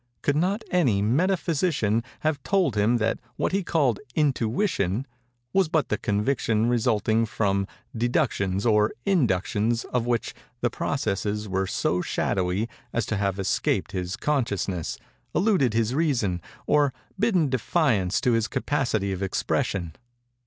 Could not any metaphysician have told him that what he called 'intuition' was but the conviction resulting from _de_ductions or _in_ductions of which the processes were so shadowy as to have escaped his consciousness, eluded his reason, or bidden defiance to his capacity of expression?